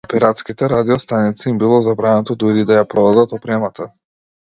На пиратските радио-станици им било забрането дури и да ја продадат опремата.